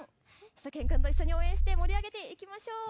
しゅと犬くんと一緒に応援して盛り上げていきましょう。